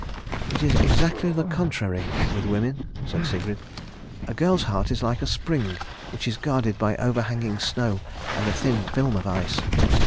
"It is exactly the contrary with women," said Sigrid. "A girl's heart is like a spring which is guarded by overhanging snow and a thin film of ice.